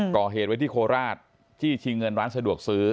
ก่อเหตุไว้ที่โคราชจี้ชิงเงินร้านสะดวกซื้อ